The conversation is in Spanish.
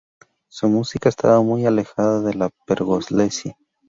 Su música estaba muy alejada de la de Pergolesi.